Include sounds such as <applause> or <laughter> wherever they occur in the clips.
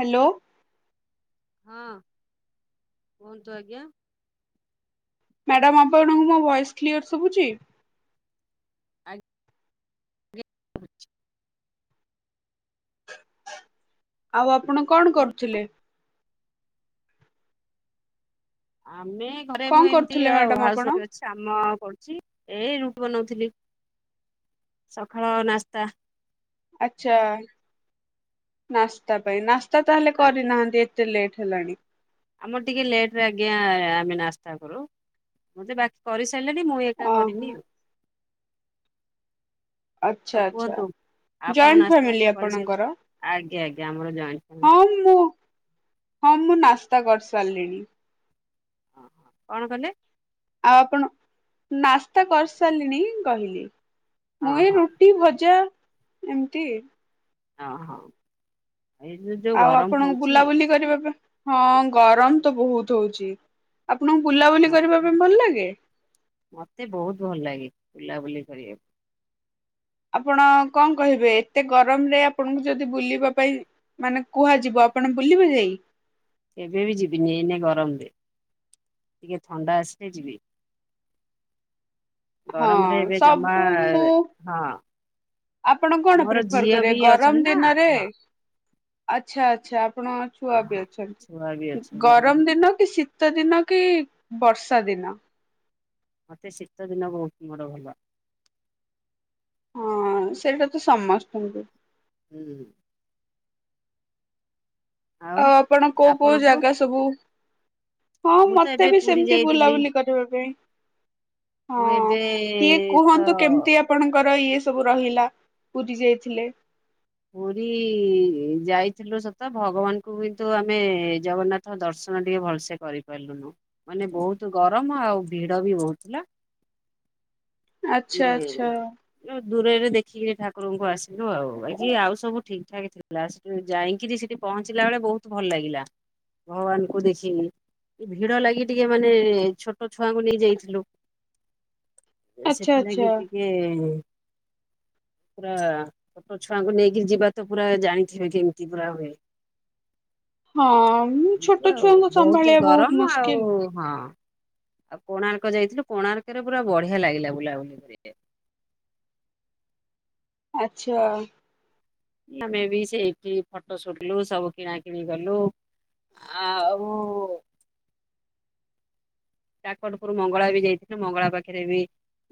Hello. ହଁ କୁହନ୍ତୁ ଆଜ୍ଞା। ମ୍ୟାଡ଼ାମ ଆପଣଙ୍କୁ ମୋ ଭଏସ୍ କ୍ଲିୟର ଶୁବୁଚି? ଆଜ୍ଞା ଆଉ ଆପଣ କଣ କୁହନ୍ତୁ କରୁଥିଲେ? ଆମେ ଘରେ କଣ ମୁଁ ଏମତି କରୁଥିଲେ ଆଉ ମ୍ୟାଡାମ ହାଉସ୍ ଆପଣ? ୱାଇଫ୍ ଅଛି। କାମ କରୁଚି। ଏଇ ରୁଟି ବନଉଥିଲି। ସକାଳ ନାସ୍ତା। ଆଚ୍ଛା। ନାସ୍ତା ପାଇଁ, ନାସ୍ତା ତାହେଲେ ଆଜ୍ଞା କରିନାହାନ୍ତି? ଏତେ ଲେଟ୍ ହେଲାଣି। ଆମର ଟିକେ ଲେଟ୍ ରେ ଆଜ୍ଞା ଆମେ ନାସ୍ତା କରୁ। ମତେ ବା କରିସାରିଲେଣି ମୁଁ ଏକା ଓହୋ କରିନି ଆଉ। ଆଉ ଆଚ୍ଛା ଆଚ୍ଛା। କୁହନ୍ତୁ ଆପଣ ଜଏଣ୍ଟ ନାସ୍ତା ଫ୍ୟାମିଲି ଫାସ୍ତା କରି ସାରି, ଆପଣଙ୍କର? ଆଜ୍ଞା ଆଜ୍ଞା ଆମର ଜଏଣ୍ଟ ଫ୍ୟାମିଲି। ହଁ ମୁଁ ହଁ ମୁଁ ନାସ୍ତା କରି ସାରିଲିଣି। କଣ କଲେ? ଆଉ ଆପଣ, ନାସ୍ତା କରିସାରିଲିଣି କହିଲି। ମୁଁ ଏଇ ଓହୋ ରୁ ରୁଟି ଭଜା ଏମତି। ଅ ହ। ଆଉ ଆପଣଙ୍କୁ ହଉଛି ବୁଲାବୁଲି କରିବା ପାଇଁ ହଁ ଗରମ ତ ବହୁତ ହଉଚି। ଆପଣଙ୍କୁ ବୁଲାବୁଲି ହଁ କରିବା ପାଇଁ ଭଲ ଲାଗେ? ମତେ ବହୁତ୍ ଭଲ ଲାଗେ ବୁଲାବୁଲି କରିବାକୁ। ଆପଣ କଣ କହିବେ ଏତେ ଗରମରେ ଆପଣଙ୍କୁ ଯଦି ବୁଲିବା ପାଇଁ ମାନେ କୁହାଯିବ ଆପଣ ବୁଲିବେ ଯାଇ? କେବେ ବି ଯିବିନି ଏଇନା ଗରମରେ। ଟିକେ ଥଣ୍ଡା ଆସିଲେ ଯିବି। ହଁ ଗରମରେ ଏବେ ଜମା ସବୁ ମୁଁ ହଁ ଆପଣ କଣ ମୋର ପ୍ରିଫର ଝିଅ କରିବେ ବି ଗରମ ଅଛନ୍ତି ନା ଦିନରେ ହଁ ଆଚ୍ଛା ଆଚ୍ଛା। ଆପଣଙ୍କର ହଁ ଛୁଆ ବି ହଁ। ଛୁଆ ବି ଅଛନ୍ତି। ଅଛନ୍ତି ଆମର ଗରମ ନା ଦିନ କି ଶୀ ଶୀତ ଦିନ କି ବର୍ଷା ଦିନ ମତେ ଶୀତ ଦିନ ବହୁତ ମୋଡ଼ ଭଲ। ହଁ ସେଇଟା ତ ସମସ୍ତଙ୍କୁ ହୁଁ ହୁଁ। ଆଉ ଆପଣ କୋଉ କୋଉ ଆପଣଙ୍କୁ ଜାଗା ସବୁ ହଁ ମୁଁ ତ ମତେ ଏବେ ବି ପୁରୀ ସେମିତି ଯାଇଥିଲି ବୁଲାବୁଲି କରିବା ପାଇଁ ହଁ ମୁଁ ଏବେ ଟିକେ ତ କୁହନ୍ତୁ କେମିତିଆ ଆପଣଙ୍କର ଇଏ ସବୁ ରହିଲା ପୁରୀ ଯାଇଥିଲେ ପୁରୀ ଯାଇଥିଲୁ ସତ ଭଗବାନଙ୍କୁ ହୁଏତ ଆମେ ଜଗନ୍ନାଥ ତ ଦର୍ଶନ ଟିକେ ଭଲସେ କରିପାରିଲୁନୁ। ମାନେ ବହୁତ ଗରମ ଆଉ ଭିଡ଼ ବି ବହୁତ ଥିଲା। ଆଚ୍ଛା ନି ଆଚ୍ଛା ଦୂରରେ ଦେଖିକି ଠାକୁରଙ୍କୁ ଆସିଲୁ ଆଉ। ବାକି ଆଉ ସବୁ ଠିକ ଠାକ ଥିଲା। ଯାଇକିରି ସେଠି ପହଞ୍ଚିଲା ବେଳେ ବହୁତ ଭଲ ଲାଗିଲା। ଭଗବାନଙ୍କୁ ଦେଖିଲି। ଭିଡ଼ ଲାଗି ଟିକେ ମାନେ ଛୋଟ ଛୁଆଙ୍କୁ ନେଇ ଯାଇଥିଲୁ। ଆଚ୍ଛା। ନେଇକି ଆଚ୍ଛା ଟିକେ ପୁରା ଛୋଟ ଛୁଆଙ୍କୁ ନେଇକି ଯିବା ତ ପୁରା ଜାଣିଥିବେ କେମିତି ପୁରା ହୁଏ। ହଁ ଛୋଟ ଏମତି ଆଉ ଛୁଆଙ୍କୁ ବହୁତ ସମ୍ଭାଳିବା ଗରମ ମୁସ୍କିଲ। ଆଉ ହଁ ଆଉ କୋଣାର୍କ ଯାଇଥିଲୁ କୋଣାର୍କରେ ପୁରା ବଢ଼ିଆ ଲାଗିଲା ବୁଲାବୁଲି ରେ। ଆଚ୍ଛା। ଆମେ ବି ସେଇଠି ଫଟୋ ସୁଟ କଲୁ ସବୁ କିଣା କିିଣି କଲୁ। ଆଉ କାକଟ ପୁର ମଙ୍ଗଳା ବି ଯାଇଥିଲୁ ମଙ୍ଗଳା ପାଖରେ ବି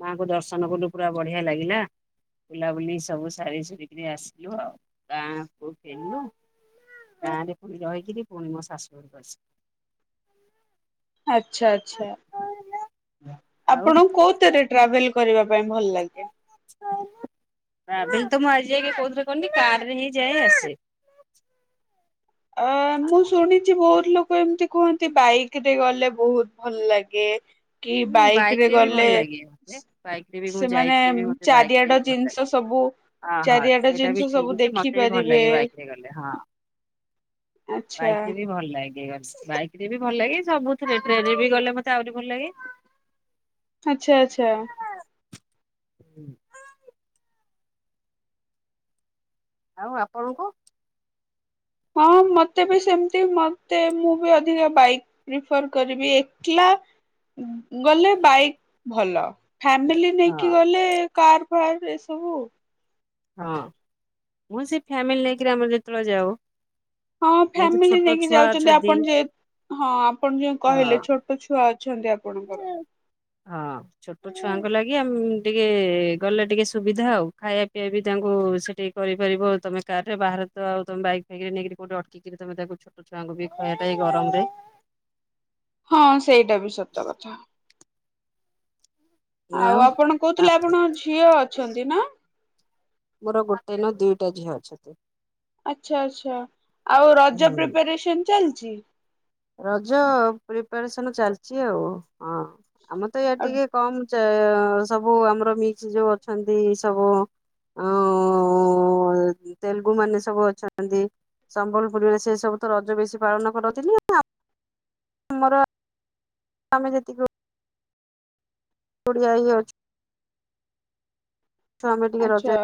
ମାଆଙ୍କୁ ଦର୍ଶନ କଲୁ ପୁରା ବଡ଼ିଆ ଲାଗିଲା। ବୁଲାବୁଲି ସବୁ ସାରି ସୂରିକରି ଆସିଲୁ ଆଉ ଗାଁକୁ ଗଲୁ। ଗାଁରେ ପୁଣି ରହିକିରି ପୁଣି ମୋ ଶାଶୁ ଘରକୁ ଆଚ୍ଛା ଆଚ୍ଛା ଆଉ ଆପଣ କୋଉଥିରେ ଟ୍ରାଭେଲ କରିବା ପାଇଁ ଭଲ ଲାଗେ। ଟ୍ରାଭେଲ ତ ମୁଁ ଆଜି ଯାକେ କୋଉଥିରେ କରିନି, କାରରେ ହିଁ ଯାଏ ଆସେ। ହଁ ମୁଁ ଶୁଣିଚି ବହୁତ ଲୋକ ଏମିତି କୁହନ୍ତି ବାଇକ ରେ ଗଲେ ବହୁତ ଭଲ ଲାଗେ। ହୁଁ ବାଇକ ରେ ବି ଭଲ ଲାଗେ ମତେ। ବାଇକ ରେ ବି ମୁଁ ସେମାନେ ଯାଇଚି ଯେ ବି ମତେ ଚାରିଆଡ ବାଇକରେ ବି ଭଲ ଜିନିଷ ଲାଗେ। ସବୁ ହଁ ହଁ ଚାରିଆଡ ସେଇଟା ଜିନିଷ ବି ସବୁ ଠିକ୍ ଯେ ଦେଖି ମତେ ବି ଭଲ ପାରିବେ। ଲାଗେ ବାଇକରେ ଗଲେ। ହଁ ଆଚ୍ଛା ବାଇକରେ ବି ଭଲ ଲାଗେ ବାଇକ୍ ରେ ବି ଭଲ ଲାଗେ, ସବୁଥିରେ ଟ୍ରେନ ରେ ବି ଗଲେ ମତେ ଆହୁରି ଭଲ ଲାଗେ। ଆଚ୍ଛା ଆଚ୍ଛା। ହୁଁ। ଆଉ ଆପଣଙ୍କୁ? ହଁ ମତେ ବି ସେମିତି ମତେ ମୁଁ ବି ଅଧିକା ବାଇକ୍ ପ୍ରିଫର କରିବି ଏକ୍ଲା ଉଁ ଗଲେ ବାଇକ୍ ଭଲ, ଫ୍ୟାମିଲି ନେଇକି ହଁ ଗଲେ କାର। ଘରରେ ଏସବୁ ହଁ ମୁଁ ସେ ଫ୍ୟାମିଲି ନେଇକିରି ଆମର ଯେତେବେଳେ ଯାଉ। ହଁ ଯେହେତୁ ଫ୍ୟାମିଲି ଛୋଟ ନେଇକି ଛୁଆ ଯାଉଚନ୍ତି ଅଛନ୍ତି ଆପଣ ଯେ ହଁ ଆପଣ ଯଉ ହଁ କହିଲେ ଛୋଟ ଟ ଛୁଆ ଅଛନ୍ତି ଆପଣଙ୍କର। ହଁ ଛୋଟ ଛୁଆଙ୍କ ଲାଗି ଆମ ଟିକେ ଗଲେ ଟିକେ ସୁବିଧା ଆଉ। ଖାଇବା ପିଇବା ବି ତାଙ୍କୁ ସେଠି କରିପାରିବ ତମେ କାର ରେ। ବାହାରେ ତ ଆଉ ତମେ ବାଇକ୍ ଫାଇକ ନେଇକି କୋଉଠି ଅଟକିକିରି ତମେ ତାକୁ ଛ ଛୁଆଙ୍କୁ ବି ଖୁଆବା ପାଇଁ ଏଇ ଗରମରେ ହଁ ସେଇଟା ବି ସତ କଥା। ଆଉ ଆପଣ ଆ କହୁଥିଲେ ଆପଣ ଝିଅ ଅଛନ୍ତି ନା? ମୋର ଗୋଟେ ନୁହଁ ଦିଟା ଝିଅ ଅଛନ୍ତି। ଆଚ୍ଛା ଆଚ୍ଛା ଆଉ ରଜ ହୁଁ ପ୍ରିପାରେସନ ଚାଲିଛି? ରଜ ପ୍ରିପାରେସନ ଚାଲିଛି ଆଉ ହଁ ଆମର ତ ଇଆଡେ ଆଉ ଟିକେ କମ ସେ ସବୁ ଆମର ମିିକସ ଯୋଉ ଅଛନ୍ତି ସବୁ ଆଁ ଓଁ ତେଲୁଗୁ ମାନେ ସବୁ ଅଛନ୍ତି। ସମ୍ବଲପୁରରେ ସେ ସବୁ ତ ରଜ ବେଶୀ ପାଳନ କରତିନି ଆ ଆମର ତମେ ଯେତିକି <inaudible> ଇଏ ଅଛୁ ତ ଆମେ ଟିକେ ଆଚ୍ଛା ରଜରେ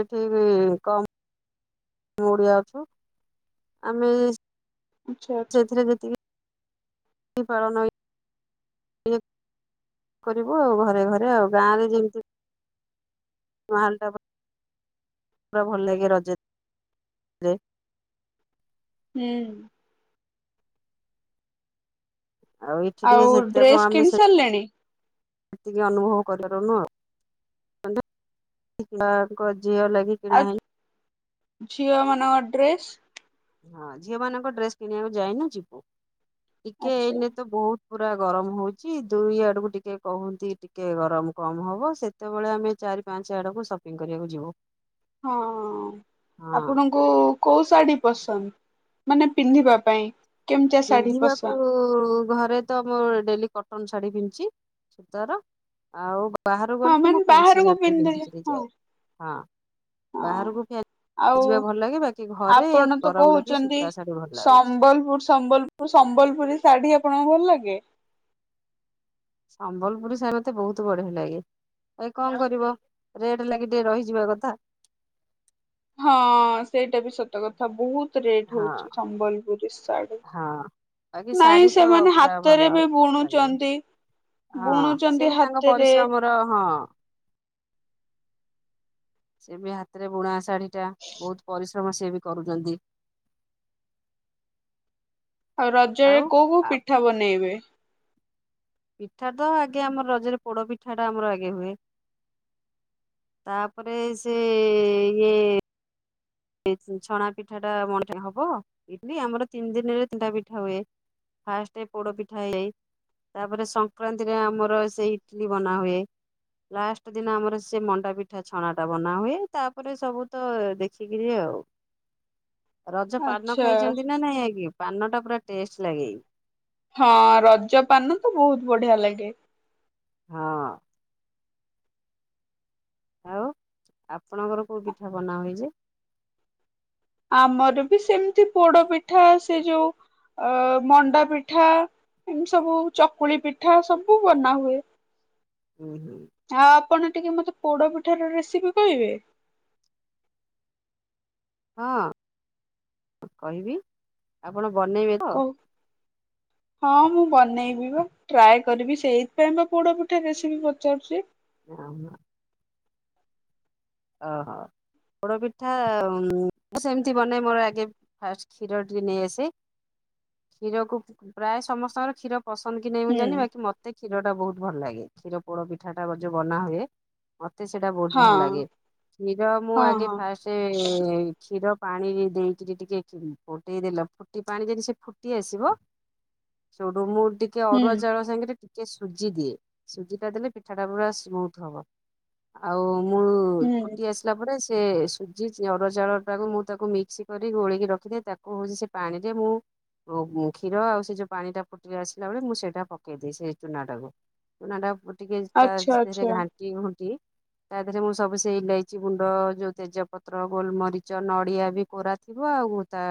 ସେଠି ବି କମ୍ ଓଡିଆ ଅଛୁ ଆମେ ଆଚ୍ଛା ଆଚ୍ଛା। ସେଥିରେ ଯେତିକି ପାଳନ <inaudible> ଟିକଏ କରିବୁ ଆଉ ଘରେ ଘରେ ଆଉ ଗାଁରେ ଯେମିତି ମାହାଲ୍ଟା ପୁରା ଭଲ ଲାଗେ ରଜରେ। ହୁଁ <inaudible> ଆଉ ଏଠି ଟିକେ ସେତକ ଡ୍ରେସ୍ ଆମେ କିଣି ସାରିଲେଣି ସେତିକି ଅନୁଭବ କରିପାରୁନୁ ଆଉ। ମାଙ୍କ <inaudible> ଝିଅ ଲାଗି କିଣା ହେଇନି ଆଉ ଝିଅ ମାନଙ୍କ ଡ୍ରେସ୍? ହଁ ଝିଅ ମାନଙ୍କ ଡ୍ରେସ କିଣିବାକୁ ଯାଇନୁ ଯିବୁ ଟିକେ ଆଚ୍ଛା ଏଇନେ ତ ବହୁତ ପୁରା ଗରମ ହଉଚି ଦୁଇ ଆଡକୁ ଟିକେ କହୁଅନ୍ତି ଟିକେ ଗରମ କମ ହବ ସେ ସେତେବେଳେ ଆମେ ଚାରି ପାଞ୍ଚ ଆଡ଼କୁ ସପିଙ୍ଗ କରିବାକୁ ଯିବୁ। ହଁ ହଁ ଆପଣ କ କୋଉ ଶାଢ଼ୀ ପସନ୍ଦ ମାନେ ପିନ୍ଧିବା ପାଇଁ? କେମିତିଆ ଶାଢୀ ପସନ୍ଦ ପିନ୍ଧିବାକୁ ଘରେ ତ ମୁଁ ଡେଲି କଟନ ଶାଢୀ ପିନ୍ଧୁଚି ସୂତାର ଆଉ ବାହାରକୁ ହଁ ଗଲେ ମୁଁ ମାନେ ଫ୍ୟାନସି ବାହାରକୁ ଶାଢ଼ି ଟେ ପିନ୍ଧିଲେ ପିନ୍ଧିକିରି ହଁ ଯାଏ ହଁ ହଁ ବାହାରକୁ ଫ୍ୟା ଆଉ ଆପଣ ତ ଗରମ ଲାଗି କହୁଛନ୍ତି ସୂତା ଶାଢୀ ଭଲ ଲାଗୁଛି ସମ୍ବଲପୁର ସମ୍ବଲ ମ ସମ୍ବଲପୁରୀ ଶାଢ଼ୀ ଆପଣଙ୍କୁ ଭଲ ଲାଗେ? ସମ୍ବଲପୁରୀ ସାଢ଼ୀ ରାତ ମୋତେ ବହୁତ ବଢିଆ ଲାଗେ। ଏଇ କଣ କରିବ ରେଟ୍ ଲାଗି ଟିକେ ରହିଯିବା କଥା। ହଁ ସେଇଟା ବି ସତ କଥା ବହୁତ ରେଟ୍ ହଁ ହଉଚି ସମ୍ବଲପୁରୀ ଶାଢ଼ୀ। ହଁ। ବାକି ନାଇଁ ଶାଢୀ ତ ସେମାନେ ପୁରା ହାତରେ ଭଲ ବି ଲାଗେ ବୁଣୁଛନ୍ତି ବୁଣୁଛନ୍ତି ହାତେରେ। ର ହଁ। ସେ ବି ହାତରେ ବୁଣା ଶାଢୀ ଟା ବହୁତ ପରିଶ୍ରମ ସିଏ ବି କରୁଛନ୍ତି। ଆଉ ରଜରେ ଆଉ କୋଉ କୋଉ ଆ ପିଠା ବନେଇବେ? ପିଠା ତ ଆଗେ ଆମର ରଜରେ ପୋଡ ପିଠା ଟା ଆମର ଆଗେ ହୁଏ। ତାପରେ ସେ ଇଏ ଛଣା ପିଠା ଟା ମ ହବ ଇଟଲି ଆମର ତିନି ଦିନରେ ତିନିଟା ପିଠା ହୁଏ। ଫାଷ୍ଟ ପୋଡ ପିଠା ହେଇଏ। ତାପରେ ସଂକ୍ରାନ୍ତିରେ ଆମର ସେ ଇଟଲିି ବନା ହୁଏ। ଲାଷ୍ଟ ଦିନ ଆମର ସେ ମଣ୍ଡା ପିଠା ଛଣା ଟା ବନା ହୁଏ ତାପରେ ସବୁ ତ ଦେଖି <unintelligible> ଆଉ ରଜ ପାନ ଆଚ୍ଛା ଖାଇଚନ୍ତି ନା ନାଇଁ <unintelligible> ପାନ ଟା ପୁରା ଟେଷ୍ଟ ଲାଗେ। ହଁ ରଜ ପାନ ତୁ ବହୁତ୍ ବଢିଆ ଲାଗେ। ହଁ। ଆଉ ଆପଣଙ୍କର କୋଉ ପିଠା ବନା ହୁଏ ଯେ? ଆମର ବି ସେମ୍ତି ପୋଡପିଠା ସେ ଯୋଉ ଅ ମଣ୍ଡା ପିଠା ଏମ୍ତି ସବୁ ଚକୁଳି ପିଠା ସବୁ ବନା ହୁଏ। ହୁଁ-ହୁଁ ହଁ ଆପଣ ଟିକେ ମତେ ପୋଡ ପିଠା ର ରେସିପି କହିବେ? ହଁ, କହିବି ଆପଣ ବନେଇବେ ତ କହୁ ହଁ ମୁଁ ବନେଇବି ବା। ଟ୍ରାଏ କରିବି, ସେଇଥିପାଇଁ ବା ପୋଡପିଠା ରେସିପି ପଚାରୁଚି। <unintelligible> ଓହୋ, ପୋଡପିଠା ମୁଁ ସେମ୍ତି ବନେଇ ମୋର ଆଗେ ଫାଷ୍ଟ କ୍ଷୀର ଟିକେ ନେଇ ଆସେ, କ୍ଷୀରକୁ ପ୍ରାୟ ସମସ୍ତଙ୍କର କ୍ଷୀର ପସନ୍ଦ କି ନାହିଁ ମୁଁ ହୁଁ ଜାଣିନି, ବାକି ମତେ କ୍ଷୀରଟା ବହୁତ୍ ଭଲ ଲାଗେ କ୍ଷୀର ପୋଡପିଠା ଟା ଯୋଉ ବନା ହୁଏ ମତେ ସେଟା ବହୁତ୍ ହଁ ଭଲ୍ ଲାଗେ, କ୍ଷୀର ମୁଁ ହଁ ଆଗେ ହଁ ଫାଷ୍ଟେ କ୍ଷୀର ପାଣିରେ ଦେଇକିରି ଟିକେ ଫୁଟେଇଦେଲ ଫୁଟି ପାଣି ଯଦି ସେ ଫୁଟି ଆସିବ ସୋଉଟୁ ମୁଁ ଟିକେ ହୁଁ ଅରୁଆ ଚାଉଳ ସାଙ୍ଗେରେ ଟିକେ ସୁଜି ଦିଏ, ସୁଜିଟା ଦେଲେ ପିଠା ଟା ପୁରା ସ୍ମୁଥ ହବ ଆଉ ମୁଁ ହୁଁ ଫୁଟି ଆସିଲା ପରେ ସେ ସୁଜି ଅରୁଆ ଚାଉଳ ଟାକୁ ମୁଁ ତାକୁ ମିକ୍ସ କରି ଗୋଲେଇକି ରଖିଦିଏ, ତାକୁ ହଉଚି ସେ ପାଣିରେ ମୁଁ କ୍ଷୀର ଆଉ ସେ ଯୋଉ ପାଣିଟା ଫୁଟି ଆସିଲା ବେଳେ ମୁଁ ସେଇଟା ପକେଇ ଦିଏ ସେ ଚୁନାଟାକୁ। ଚୁନାଟା ଟିକେ ଆଚ୍ଛା ଧେରେ ଆଚ୍ଛା ଘାଣ୍ଟି ଘୁଣ୍ଟି ତା ଧେରେ ମୁଁ ସବୁ ସେଇ ଏଲାଇଚି ଗୁଣ୍ଡ ଯୋଉ ତେଜପତ୍ର ଗୋଲମରିଚ ନଡିଆ ବି କୋରା ଥିବ ଆଉ ତା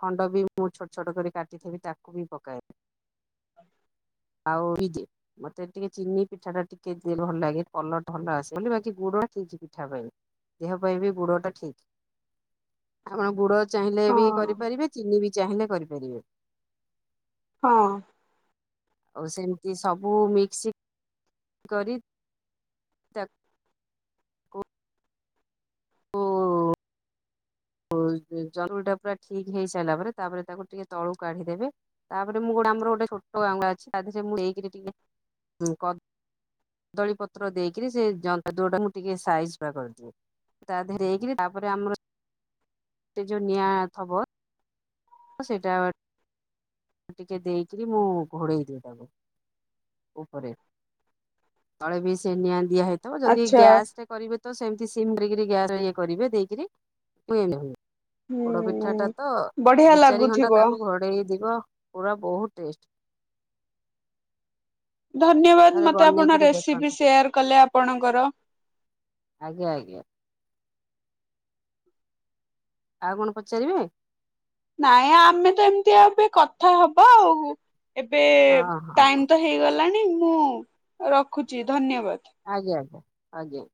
ଖଣ୍ଡ ବି ମୁଁ ଛୋଟ-ଛୋଟ କରି କାଟିଥବି ତାକୁ ବି ପକାଏ। ହ ଆଉ ମତେ ଟିକେ ଚିନି ପିଠାଟା ଟିକେ ଭଲ୍ ଲାଗେ କଲର୍ ଟା ଭଲ ଆସେ ବୋଲି, ବା କି ଗୁଡ ଠିକ୍ ପିଠା ପାଇଁ, ଦେହ ପାଇଁ ବି ଗୁଡଟା ଠିକ୍ ଆପଣ ଗୁଡ ଚାହିଁଲେ ବି ହଁ କରିପାରିବେ, ଚିନି ବି ଚାହିଁଲେ କରିପାରିବେ। ହଁ। ଆଉ ସେମ୍ତି ସବୁ ମିକ୍ସ କରି ତାକୁ <unintelligible> <unintelligible> ଟା ପୁରା ଠିକ୍ ହେଇସାରିଲା ପରେ ତାପରେ ତାକୁ ଟିକେ ତଳୁକୁ କାଢିଦେବେ। ତାପରେ ମୁଁ ଗୋଟେ ଆମର ଗୋଟେ ଛୋଟ <unintelligible> ଅଛି, ତା ଦେରେ ମୁଁ <unintelligible> ଟିକେ କ ଦଳି ପତ୍ର ଦେଇକିରି ସେ ଜନ୍ତୁଅ ଟାକୁ ମୁଁ ଟିକେ ସାଇଜ୍ <unintelligible> କରିଦିଏ। ତା ଧେରେ ଦେଇକିରି ତାପରେ ଆମର ସେ ଯୋଉ ନିଆଁ ଥବ ସେଇଟା ଟିକେ ଦେଇକରି ମୁଁ ଘୋଡ଼େଇ ଦିଏ ତାକୁ। ଉପରେ, ତଳେ ବି ସେ ନିଆଁ ଦିଆ ହେଇଥିବ ଯଦି ଆଚ୍ଛା ଗ୍ୟାସ୍ ରେ କରିବେ ତ ସେମ୍ତି ସିମ୍ କରିକିରି କରିବେ ଦେଇକରି <inaudible> ପୋଡ ପିଠାଟା ହୁଁ। ତ ବଢିଆ ଦି ଚାରି ଘଣ୍ଟା ଲାଗୁଥିବ ତାକୁ ଘୋଡ଼େଇ <unintelligible> ପୁରା ବହୁତ୍ ଟେଷ୍ଟ୍। ଧନ୍ୟବାଦ୍, ଥରେ ମତେ ଆପଣ ବନେଇକିରି ରେସିପି ଦେଖନ୍ତୁ ସେୟାର୍ କଲେ ଆପଣଙ୍କର। ଆଜ୍ଞା-ଆଜ୍ଞା। ଆଉ କଣ ପଚାରିବେ? ନାଇଁ ଆମେ ତ ଏମିତି ଏବେ କଥା ହବା ଆଉ ଏବେ ହଁ ଟାଇମ୍ ହଁ ତ ହେଇ ଗଲାଣି ମୁଁ ରଖୁଛି ଧନ୍ୟବାଦ୍। ଆଜ୍ଞା ଆଜ୍ଞା।